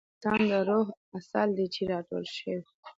هنر د انسان د روح عسل دی چې را ټول شوی.